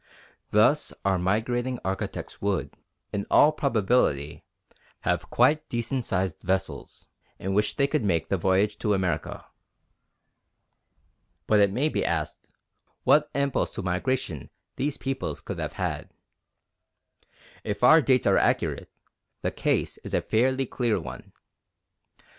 Thus our migrating architects would, in all probability, have quite decent sized vessels in which they could make the voyage to America. But it may be asked what impulse to migration these peoples could have had. If our dates are accurate, the case is a fairly clear one.